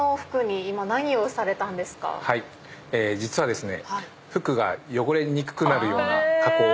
実はですね。